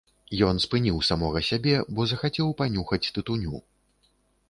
Ён спыніў самога сябе, бо захацеў панюхаць тытуню.